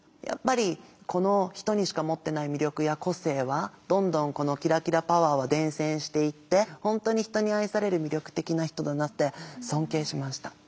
やっぱりこの人にしか持ってない魅力や個性はどんどんこのキラキラパワーは伝染していって本当に人に愛される魅力的な人だなって尊敬しました。